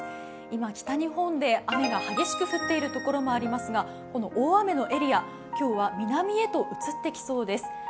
今、北日本で雨が激しく降っているところがありますがこの大雨のエリア、今日は南へと移ってきそうです。